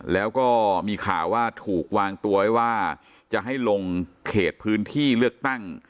แล้วก็มีข่าวว่าถูกวางตัวไว้ว่าจะให้ลงเขตพื้นที่เลือกตั้ง